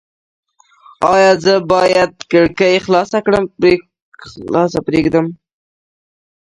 ایا زه باید کړکۍ خلاصه پریږدم؟